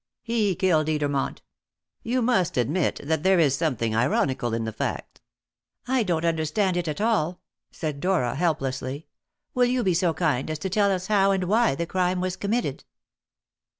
He killed Edermont. You must admit that there is something ironical in the fact?" "I don't understand it at all," said Dora helplessly. "Will you be so kind as to tell us how and why the crime was committed?"